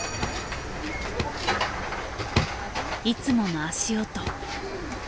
いつもの足音。